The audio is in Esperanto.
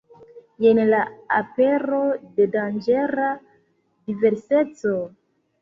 Jen la apero de danĝera diverseco.